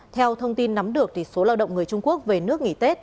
theo thông tin nắm được số lao động người trung quốc về nước nghỉ tết